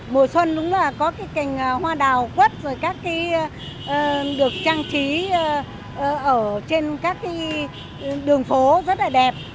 mùa xuân có cành hoa đào quất các đường trang trí ở trên các đường phố rất đẹp